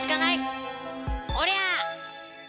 おりゃ！